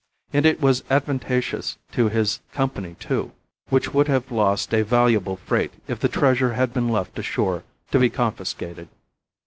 And it was advantageous to his Company, too, which would have lost a valuable freight if the treasure had been left ashore to be confiscated.